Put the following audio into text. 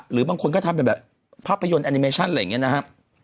หรือบางคนก็ทำเป็นแบบภาพยนตร์แอนิเมชั่นอะไรอย่างนี้นะครับ